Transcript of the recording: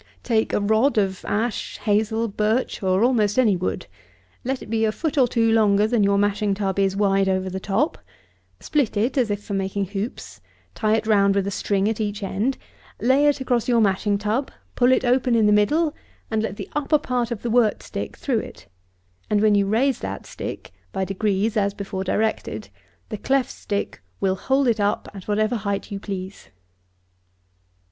Take a rod of ash, hazel, birch, or almost any wood; let it be a foot or two longer than your mashing tub is wide over the top; split it, as if for making hoops; tie it round with a string at each end; lay it across your mashing tub; pull it open in the middle, and let the upper part of the wort stick through it, and when you raise that stick, by degrees as before directed, the cleft stick will hold it up at whatever height you please.